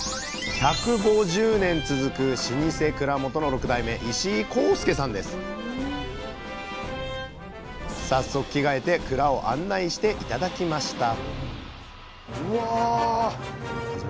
１５０年続く老舗蔵元の６代目早速着替えて蔵を案内して頂きました